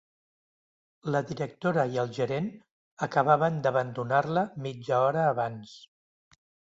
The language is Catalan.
La directora i el gerent acabaven d'abandonar-la mitja hora abans.